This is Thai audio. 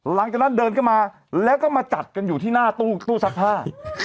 หลังจากนั้นเดินเข้ามาแล้วก็มาจัดกันอยู่ที่หน้าตู้ซักผ้า